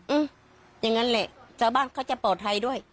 อืมอย่างนั้นแหละชาวบ้านเขาจะปลอดภัยด้วย